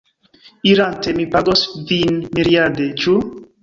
Irante, mi pagos vin miriade. Ĉu?